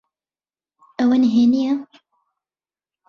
ئەوە نهێنییە؟